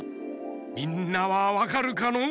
みんなはわかるかのう？